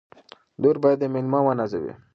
لور باید مېلمه ونازوي.